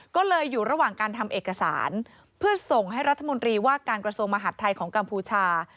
ก็เลยอยู่ระหว่างการทำเอกสารเพื่อส่งให้รัฐมนตรีว่าการกระทรวงมหาดไทยของกัมพูชา